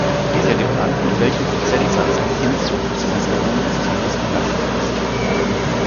Dieser gibt an, mit welchem Prozentsatz an Inzucht das Genom des Tieres belastet ist.